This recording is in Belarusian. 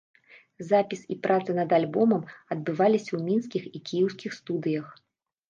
Запіс і праца над альбомам адбываліся ў мінскіх і кіеўскіх студыях.